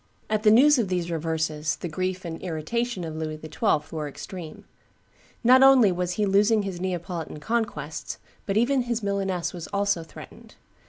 At the news of these reverses the grief and irritation of Louis XII. were extreme. Not only was he losing his Neapolitan conquests, but even his Milaness was also threatened.